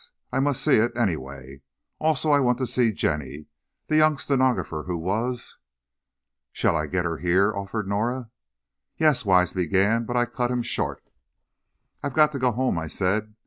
I must see it, anyway. Also, I want to see Jenny, the young stenographer who was " "Shall I get her here?" offered Norah. "Yes," Wise began, but I cut him short. "I've got to go home," I said.